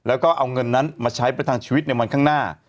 แล้วก็เอาเงินนั้นมาใช้ประทังชีวิตในวันข้างหน้า